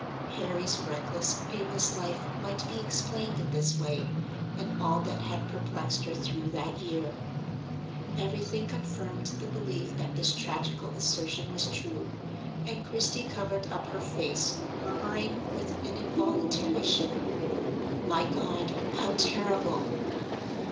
Harry's reckless, aimless life might be explained in this way; and all that had perplexed her through that year. Every thing confirmed the belief that this tragical assertion was true, and Christie covered up her face, murmuring, with an involuntary shiver: "My God, how terrible!"